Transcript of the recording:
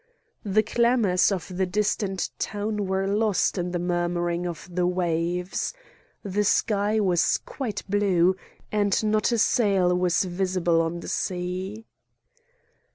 The clamours of the distant town were lost in the murmuring of the waves. The sky was quite blue, and not a sail was visible on the sea.